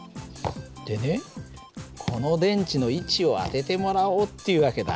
でねこの電池の位置を当ててもらおうっていう訳だ。